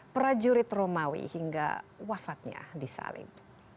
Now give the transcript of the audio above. prajurit romawi hingga wafatnya disalib